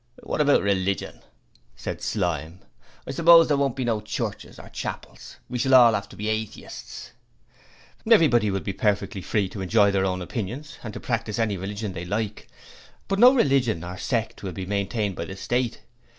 'What about religion?' said Slyme. 'I suppose there won't be no churches nor chapels; we shall all have to be atheists.' 'Everybody will be perfectly free to enjoy their own opinions and to practise any religion they like; but no religion or sect will be maintained by the State.